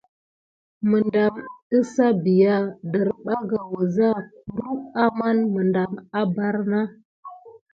Medam əza bià derbaka wuza kurump amanz medam a bar na.